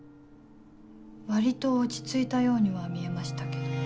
割と落ち着いたようには見えましたけど。